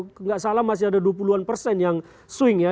kalau nggak salah masih ada dua puluh an persen yang swing ya